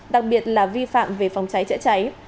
đặc biệt là vi phạm về phòng cháy chữa cháy